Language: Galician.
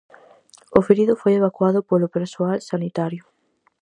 O ferido foi evacuado polo persoal sanitario.